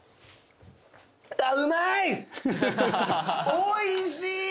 おいしい！